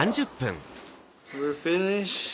フィニッシュ。